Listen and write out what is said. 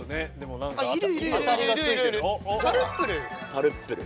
タルップル。